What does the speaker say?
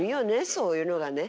そういうのがね。